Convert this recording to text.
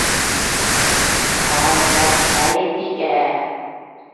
唔係，我唔睇呢啲嘅